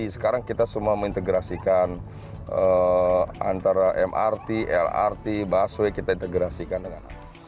sekarang kita semua mengintegrasikan antara mrt lrt busway kita integrasikan dengan apa